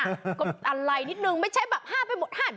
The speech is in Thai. ก็อะไรนิดนึงไม่ใช่แบบห้าไปหมดหั่น